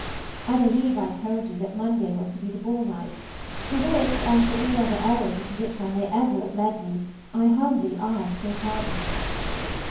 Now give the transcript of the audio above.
I believe I told you that Monday was to be the ball night, for which, and for all other errors into which I may ever have led you, I humbly ask your pardon.